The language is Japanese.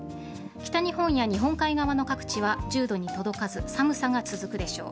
北日本や日本海側の各地は１０度に届かず寒さが続くでしょう。